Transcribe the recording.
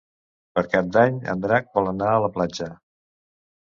Per Cap d'Any en Drac vol anar a la platja.